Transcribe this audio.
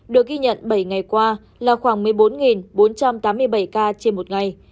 được ghi nhận bảy ngày qua là khoảng một mươi bốn bốn trăm tám mươi bảy ca trên một ngày